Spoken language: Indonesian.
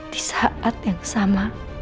di saat yang sama